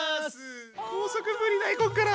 高速ぶり大根から！